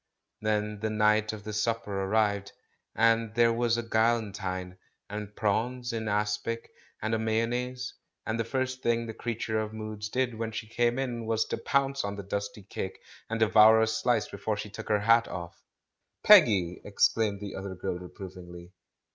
Then the night of the supper arrived, and there were a galantine, and prawns in aspic, and a mayonnaise ; and the first thing the creature of moods did when she came in was to pounce on the dusty cake and devour a slice before she took her hat off. "Peggy!" exclaimed the other girl reprovingly.